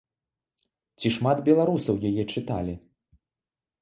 Ці шмат беларусаў яе чыталі?